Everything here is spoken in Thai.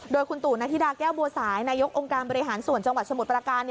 โดยคุณตู่นาธิดาแก้วบัวสายนายกองค์การบริหารส่วนจังหวัดสมุทรประการ